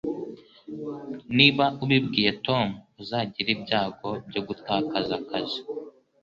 Niba ubibwiye Tom, uzagira ibyago byo gutakaza akazi.